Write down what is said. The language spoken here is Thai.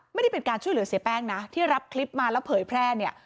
ไม่ได้เป็นการช่วยเหลือเสียแป้งนะที่รับคลิปมาแล้วเผยแพร่เนี่ย